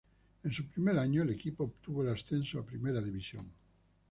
En su primer año, el equipo obtuvo el ascenso a primera división.